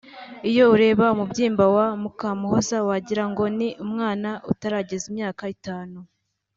Iyo ureba umubyimba wa Mukamuhoza wagira ngo ni umwana utarageza imyaka itanu